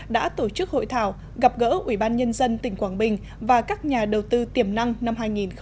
đã tổ chức hội thảo gặp gỡ ubnd tỉnh quảng bình và các nhà đầu tư tiềm năng năm hai nghìn một mươi tám